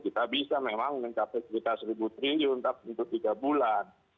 kita bisa memang mencapai sekitar seribu triliun untuk tiga bulan